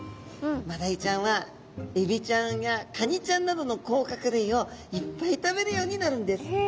マダイちゃんはエビちゃんやカニちゃんなどの甲殻類をいっぱい食べるようになるんです。